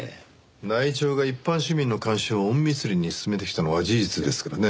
内調が一般市民の監視を隠密裏に進めてきたのは事実ですからね。